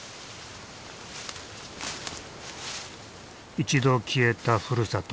一度消えたふるさと。